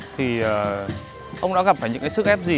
thì ông đã gặp phải những cái sức ép gì